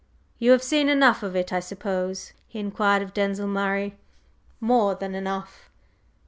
"You have seen enough of it, I suppose?" he inquired of Denzil Murray. "More than enough!"